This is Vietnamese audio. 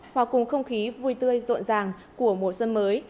hòa cùng không khí vui tươi rộn ràng của mùa xuân mới